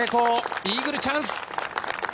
イーグルチャンス。